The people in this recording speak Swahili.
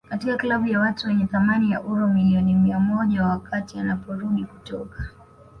katika klabu ya watu wenye thamani ya uro milioni mia moja wakati anaporudi kutoka